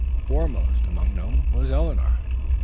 Foremost among them was Eleanor.